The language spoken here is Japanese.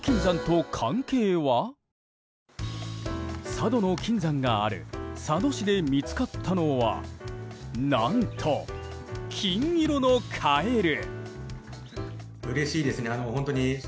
佐渡島の金山がある佐渡市で見つかったのは何と金色のカエル。